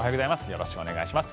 よろしくお願いします。